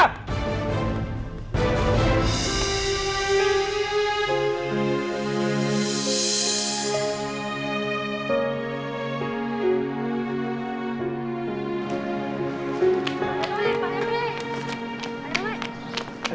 pak rw pak rw